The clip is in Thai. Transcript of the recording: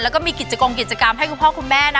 แล้วก็มีกิจกรรมกิจกรรมให้คุณพ่อคุณแม่นะ